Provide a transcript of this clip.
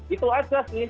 itu aja sih